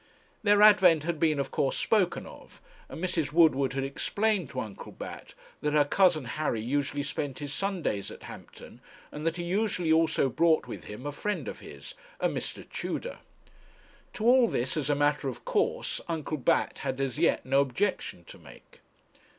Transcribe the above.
Their advent had been of course spoken of, and Mrs. Woodward had explained to Uncle Bat that her cousin Harry usually spent his Sundays at Hampton, and that he usually also brought with him a friend of his, a Mr. Tudor. To all this, as a matter of course, Uncle Bat had as yet no objection to make.